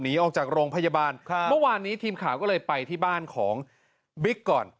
หนีออกจากโรงพยาบาลค่ะเมื่อวานนี้ทีมข่าวก็เลยไปที่บ้านของบิ๊กก่อน